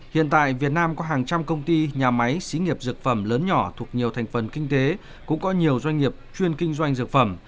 hiện tại việt nam có hàng trăm công ty nhà máy xí nghiệp dược phẩm lớn nhỏ thuộc nhiều thành phần kinh tế cũng có nhiều doanh nghiệp chuyên kinh doanh dược phẩm